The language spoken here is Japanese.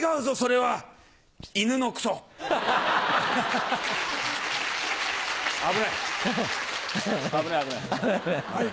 はい。